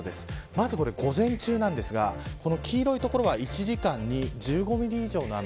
まず午前中ですが、黄色い所は１時間に１５ミリ以上の雨。